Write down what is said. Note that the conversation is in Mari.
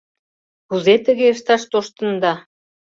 — Кузе тыге ышташ тоштында?